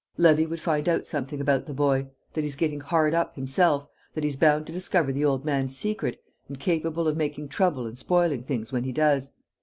Levy would find out something about the boy; that he's getting hard up himself, that he's bound to discover the old man's secret, and capable of making trouble and spoiling things when he does.